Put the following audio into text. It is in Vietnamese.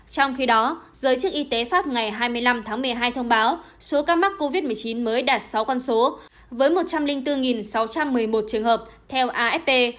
trong khi đó giới chức y tế pháp ngày hai mươi năm tháng một mươi hai thông báo số ca mắc covid một mươi chín mới đạt sáu con số với một trăm linh bốn sáu trăm một mươi một trường hợp theo afp